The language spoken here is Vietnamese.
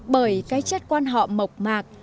bởi cái chất quán họ mộc mạc